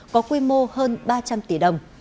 có quy mô hơn ba trăm linh tỷ đồng